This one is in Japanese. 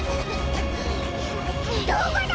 どこだ！？